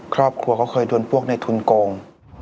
ครอบครัวเขาเคยโดนพวกในทุนโกง